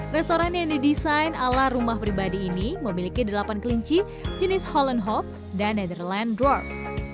restoran yang didesain ala rumah pribadi ini memiliki delapan kelinci jenis holland hope dan netherland dwarg